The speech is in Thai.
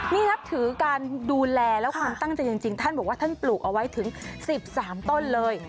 นี่นับถือการดูแลและความตั้งใจจริงท่านบอกว่าท่านปลูกเอาไว้ถึง๑๓ต้นเลย